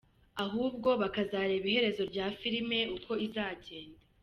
ahubwo bakazareba iherezo rya filime uko izajyenda" .